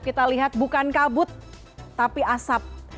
kita lihat bukan kabut tapi asap